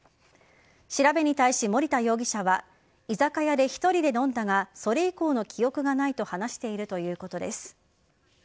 調べに対し、守田容疑者は居酒屋で１人で飲んだがそれ以降の記憶がないと話しているということです。